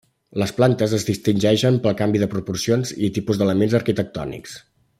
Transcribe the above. Les plantes es distingeixen pel canvi de proporcions i tipus d'elements arquitectònics.